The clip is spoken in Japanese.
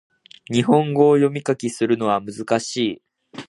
日本語を読み書きするのは難しい